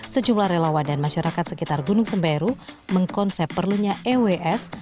sejumlah relawan dan masyarakat sekitar gunung semeru mengkonsep perlunya ews